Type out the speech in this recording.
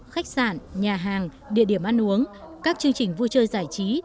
khách sạn nhà hàng địa điểm ăn uống các chương trình vui chơi giải trí